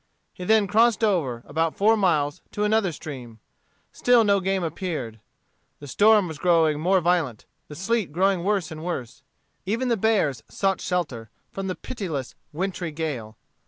He then crossed over, about four miles, to another stream. Still no game appeared. The storm was growing more violent, the sleet growing worse and worse. Even the bears sought shelter from the pitiless wintry gale.